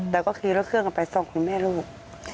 แต่ก็คือรถเครื่องกันไปสองคนแม่ลูก